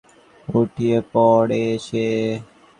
এক ঝলক রক্ত যেন বুক হইতে নাচিয়া চলাকাইয়া একেবারে মাথায় উঠিয়া পড়ে।